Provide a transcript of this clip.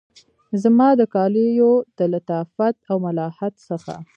زما د کالیو د لطافت او ملاحت څخه